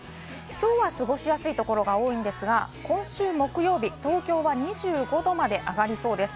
きょうは過ごしやすいところ多いんですが、今週木曜日、東京は２５度まで上がりそうです。